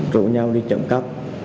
rủ nhau đi trộm cắp